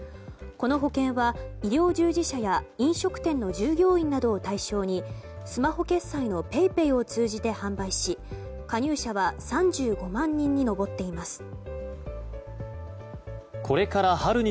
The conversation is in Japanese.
この保険は医療従事者や飲食店の従業員などを対象にスマホ決済のＰａｙＰａｙを通じて販売し加入者は３５万人に上っています。